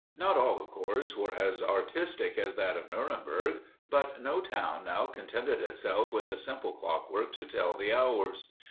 Not all, of course, were as artistic as that of Nuremberg; but no town now contented itself with a simple clockwork to tell the hours.